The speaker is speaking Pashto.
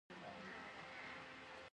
آیا دوی پلونه او تونلونه نه جوړوي؟